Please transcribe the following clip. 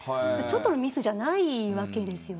ちょっとのミスじゃないです。